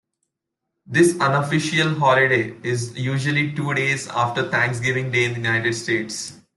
This unofficial holiday is usually two days after Thanksgiving Day in the United States.